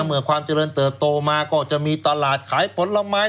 เมื่อความเจริญเติบโตมาก็จะมีตลาดขายผลไม้